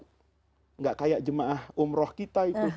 tidak seperti jemaah umroh kita